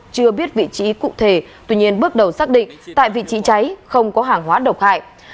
chưa biết vị trí cụ thể tuy nhiên bước đầu xác định tại vị trí cháy không có hàng hóa độc hại